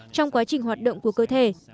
trong quá trình hoạt động của cơ thể